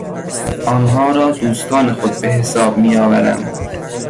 آنها را دوستان خود به حساب میآورم.